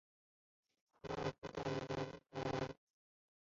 蒙特福尔河畔伊勒维尔。